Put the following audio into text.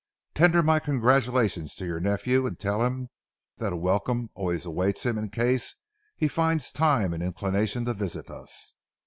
Tender my congratulations to your nephew, and tell him that a welcome always awaits him in case he finds time and inclination to visit us.